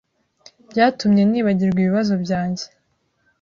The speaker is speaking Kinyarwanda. Byatumye nibagirwa ibibazo byanjye.